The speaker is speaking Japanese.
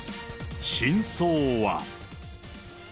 真相は。